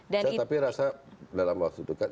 saya tapi rasa dalam waktu dekat